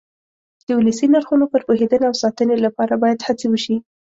د ولسي نرخونو پر پوهېدنه او ساتنې لپاره باید هڅې وشي.